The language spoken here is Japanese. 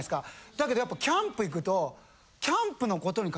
だけどやっぱキャンプ行くと。